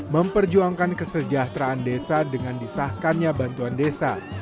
memperjuangkan kesejahteraan desa dengan disahkannya bantuan desa